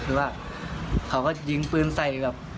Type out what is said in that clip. ก็คือว่าเค้าก็ยิงปืนไส่